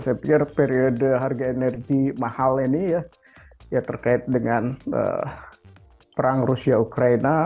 saya pikir periode harga energi mahal ini ya terkait dengan perang rusia ukraina